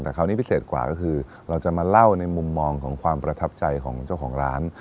แต่คราวนี้พิเศษกว่าก็คือเราจะมาเล่าในมุมมองของความประทับใจของเจ้าของร้าน